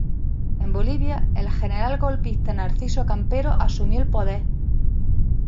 En Bolivia, el general golpista Narciso Campero asumió el poder.